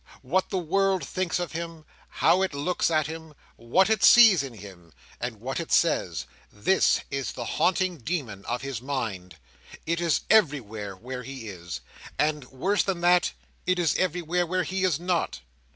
What the world thinks of him, how it looks at him, what it sees in him, and what it says—this is the haunting demon of his mind. It is everywhere where he is; and, worse than that, it is everywhere where he is not.